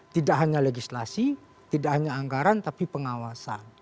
tidak hanya legislasi tidak hanya anggaran tapi pengawasan